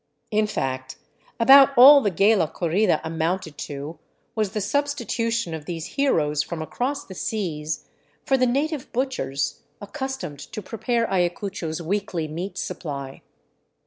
In fact, about all the gala corrida amounted to was the substitution of these heroes from across the seas for the native butchers accustomed to prepare Ayachucho's weekly meat supply.